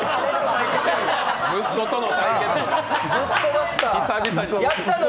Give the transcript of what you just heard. あ、息子との。